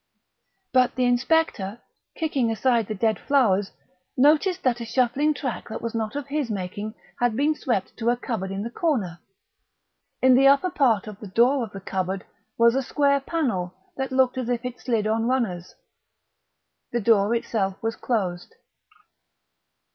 But the inspector, kicking aside the dead flowers, noticed that a shuffling track that was not of his making had been swept to a cupboard in the corner. In the upper part of the door of the cupboard was a square panel that looked as if it slid on runners. The door itself was closed.